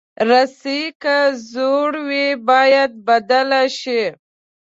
رسۍ که زوړ وي، باید بدل شي.